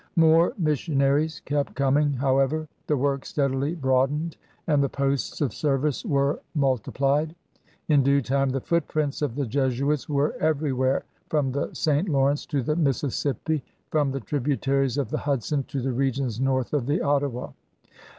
More mission aries kept coming, however; the work steadily broadened; and the posts of service were multi plied. In due time the footprints of the Jesuits were everywhere, from the St. Lawrence to the Mississippi, from the tributaries of the Hudson to the regions north of the Ottawa.